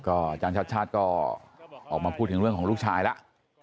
อาจารย์ชาติชาติก็ออกมาพูดถึงเรื่องของลูกชายแล้ว